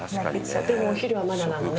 でもお昼はまだなのね？